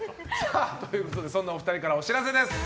ということでそんなお二人からお知らせです。